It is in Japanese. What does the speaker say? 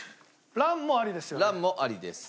ランもありです。